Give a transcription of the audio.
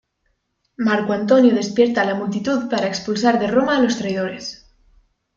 Marco Antonio despierta a la multitud para expulsar de Roma a los traidores.